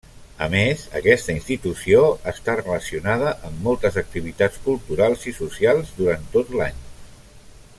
A més, aquesta institució està relacionada amb moltes activitats culturals i socials durant tot l'any.